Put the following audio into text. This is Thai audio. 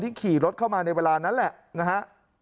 ขี่รถเข้ามาในเวลานั้นแหละนะฮะ